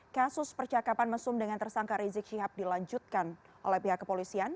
kasus percakapan mesum dengan tersangka rizik syihab dilanjutkan oleh pihak kepolisian